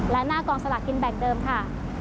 และหน้ากองสลากกินแบ่งเดิมค่ะ